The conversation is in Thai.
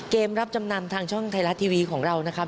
เกมรับจำนำทางช่องไทยรัฐทีวีของเรานะครับ